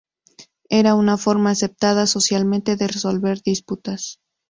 Era una forma aceptada socialmente de resolver disputas.